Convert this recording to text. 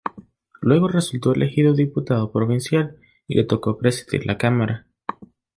Luego resultó elegido diputado provincial, y le tocó presidir la Cámara.